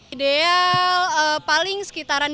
ideal paling sekitaran